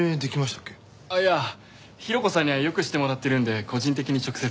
ああいやヒロコさんには良くしてもらってるんで個人的に直接。